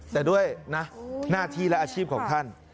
แต่ด้วยนะหน้าที่และอาชีพของท่าน